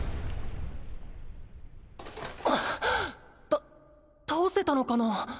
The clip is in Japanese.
た倒せたのかな？